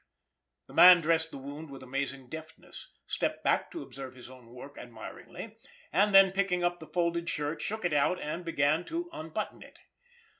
The man dressed the wound with amazing deftness, stepped back to observe his own work admiringly, and then, picking up the folded shirt, shook it out, and began to unbutton it.